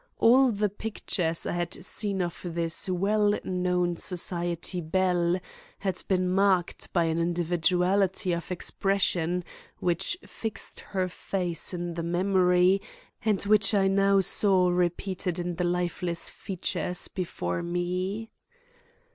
All the pictures I had seen of this well known society belle had been marked by an individuality of expression which fixed her face in the memory and which I now saw repeated in the lifeless features before me.